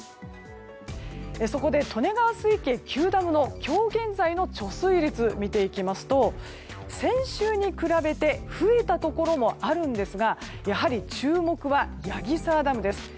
そこで利根川水系９ダムの今日現在の貯水率を見ていきますと先週に比べて増えたところもあるんですがやはり、注目は矢木沢ダムです。